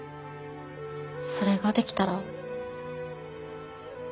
それができたら。